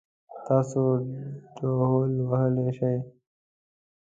تاسو ډهول وهلی شئ؟